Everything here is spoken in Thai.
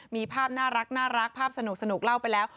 มีภาพน่ารักภาพสนุกเล่าไปแล้ว